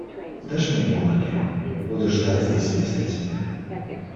Дашь мне бумаги, буду ждать здесь вместо тебя.